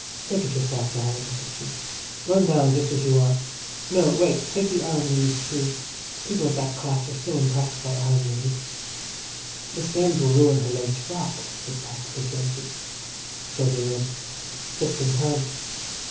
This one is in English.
"Take it yourself, darling," said she. "Run down just as you are. No, wait, take the arum lilies too. People of that class are so impressed by arum lilies." "The stems will ruin her lace frock," said practical Jose. So they would. Just in time.